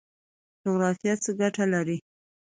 جغرافیه څه ګټه لري؟